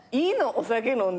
お酒飲んで。